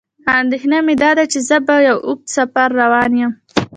اندېښنه مې داده چې زه په یو اوږد سفر روان یم.